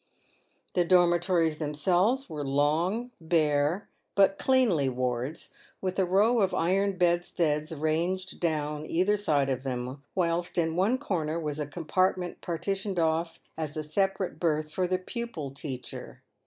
The dormitories themselves were long, bare, but cleanly wards, with a row of iron bedsteads ranged down either side of them, whilst in one corner was a compartment partitioned off as a separate berth for the pupil teacher.